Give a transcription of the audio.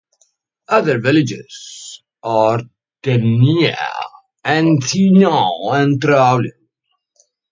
Other villages are Deneia, Athienou and Troulloi.